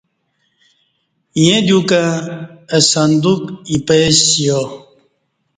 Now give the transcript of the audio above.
ییں دیوکہ اہ صندوق اِپیسیا